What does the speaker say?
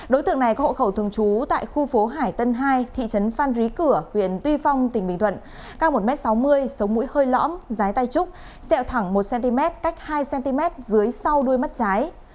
đối tượng này có hộ khẩu thường trú tại khu phố hải tân hai thị trấn phan rí cửa huyện tuy phong tỉnh bình thuận cao một m sáu mươi sống mũi hơi lõm trái tay trúc sẹo thẳng một cm cách hai cm dưới sau đuôi mắt trái